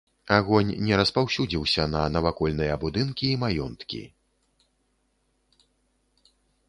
Агонь не распаўсюдзіўся на навакольныя будынкі і маёнткі.